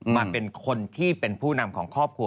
มาเป็นคนที่เป็นผู้นำของครอบครัว